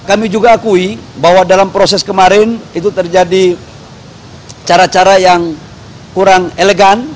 kami juga akui bahwa dalam proses kemarin itu terjadi cara cara yang kurang elegan